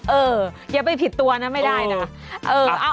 เอออย่าไปผิดตัวนะไม่ได้นะคะ